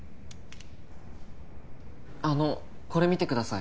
あのこれ見てください